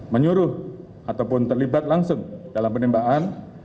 menyuruh ataupun terlibat langsung dalam penembakan